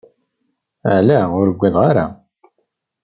Ala, ur ugadeɣ ara.